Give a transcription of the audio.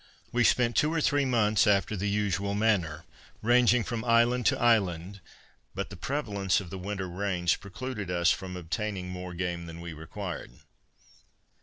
We spent two or three months after the usual manner, ranging from island to island, but the prevalence of the winter rains precluded us from obtaining more game than we required.